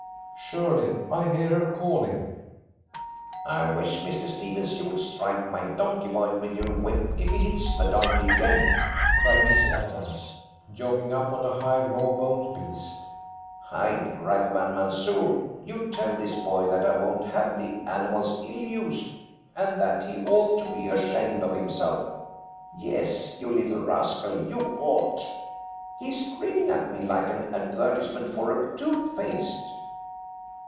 Surely I hear her calling." "I wish, Mr. Stephens, you would strike my donkey boy with your whip if he hits the donkey again," cried Miss Adams, jogging up on a high, raw boned beast. "Hi, dragoman, Mansoor, you tell this boy that I won't have the animals ill used, and that he ought to be ashamed of himself. Yes, you little rascal, you ought! He's grinning at me like an advertisement for a tooth paste.